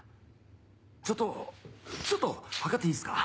ちょっとちょっと測っていいですか？